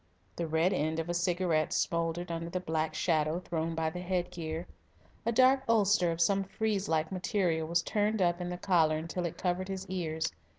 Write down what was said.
The red end of a cigarette smouldered under the black shadow thrown by the headgear. A dark ulster of some frieze like material was turned up in the collar until it covered his ears.